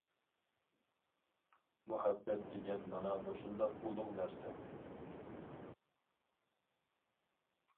مۇھەببەت دېگەن مانا مۇشۇنداق ئۇلۇغ نەرسە!